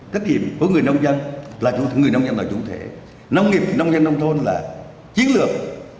cách nhiệm của người nông dân là chủ thể nông nghiệp nông dân nông thôn là chiến lược